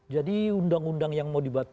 jadi undang undang yang mau dibat